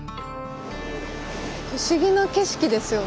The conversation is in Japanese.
不思議な景色ですよね